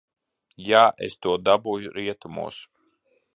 Jā, es to dabūju rietumos.